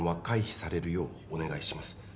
「回避されるようお願いします」